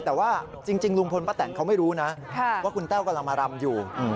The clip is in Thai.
แต่ว่าจริงลุงพลป้าแตนเขาไม่รู้นะว่าคุณแต้วกำลังมารำอยู่